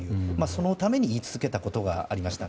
そのために言い続けたことがありました。